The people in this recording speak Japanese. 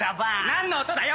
何の音だよ！